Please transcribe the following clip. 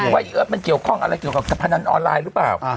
ว่าอีเอิร์ทมันเกี่ยวข้องอะไรเกี่ยวกับการพนันออนไลน์หรือเปล่า